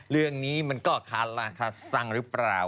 เรื่องนี้มันก็คำสั่งรึเปล่า